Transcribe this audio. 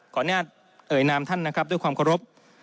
อนุญาตเอ่ยนามท่านนะครับด้วยความเคารพ